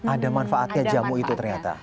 ada manfaatnya jamu itu ternyata